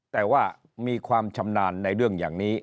แต่ว่ามีความชำนาญในเรื่องอย่างนี้